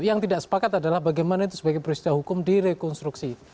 yang tidak sepakat adalah bagaimana itu sebagai peristiwa hukum direkonstruksi